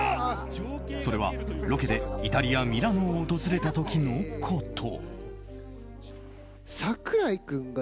それはロケでイタリアミラノを訪れた時のこと。